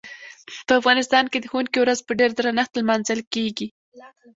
په افغانستان کې د ښوونکي ورځ په ډیر درنښت لمانځل کیږي.